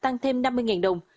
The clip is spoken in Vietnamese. tăng thêm năm mươi đồng